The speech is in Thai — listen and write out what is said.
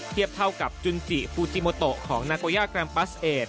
เทียบเท่ากับจุนจิปูจิโมโตของนาโกย่าแกรมปัสเอส